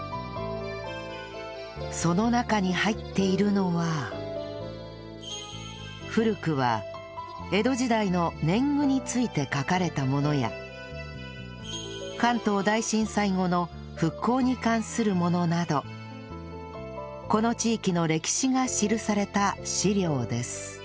その中に入っているのは古くは江戸時代の年貢について書かれたものや関東大震災後の復興に関するものなどこの地域の歴史が記された資料です